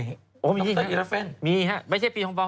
โรคเตอร์อิราเฟนมีครับไม่ใช่ปีชงปลอม